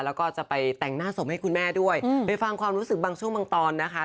แล้วก็จะไปแต่งหน้าศพให้คุณแม่ด้วยไปฟังความรู้สึกบางช่วงบางตอนนะคะ